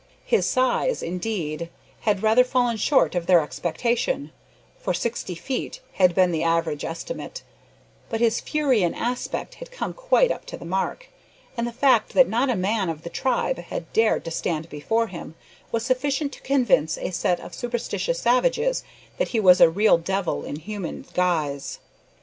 His size, indeed, had rather fallen short of their expectation, for sixty feet had been the average estimate, but his fury and aspect had come quite up to the mark, and the fact that not a man of the tribe had dared to stand before him, was sufficient to convince a set of superstitious savages that he was a real devil in human guise.